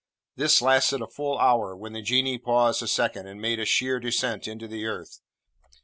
This lasted a full hour, when the Genie paused a second, and made a sheer descent into the earth.